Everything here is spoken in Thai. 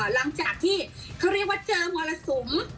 หลังจากที่เขาเรียกว่าเจอมรสุม